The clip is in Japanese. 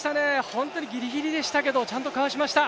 本当にぎりぎりでしたけどちゃんとかわしました！